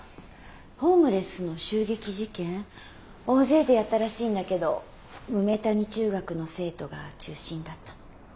ホームレスの襲撃事件大勢でやったらしいんだけど梅谷中学の生徒が中心だったの。